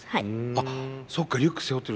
あっそっかリュック背負ってる。